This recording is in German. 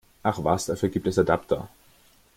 Ach was, dafür gibt es Adapter!